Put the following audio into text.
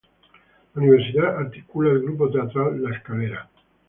La universidad articula el grupo teatral La Escalera.